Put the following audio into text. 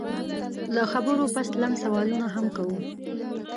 له خبرو پس لنډ سوالونه هم کوو